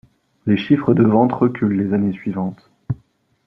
Les chiffres de ventes reculent les années suivantes.